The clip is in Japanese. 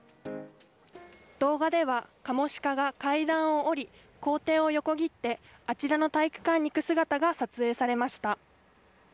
動画ではカモシカが階段を降り校庭を横切ってあちらの体育館に行く姿が撮影されました。